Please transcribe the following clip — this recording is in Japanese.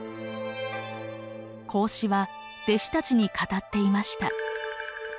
孔子は弟子たちに語っていました。